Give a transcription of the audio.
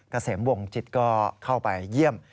เกษมวงจิตก็เข้าไปเยี่ยม